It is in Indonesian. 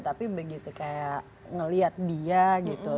tapi begitu kayak ngelihat dia gitu